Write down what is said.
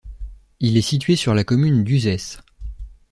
Il est situé sur la commune d'Uzès.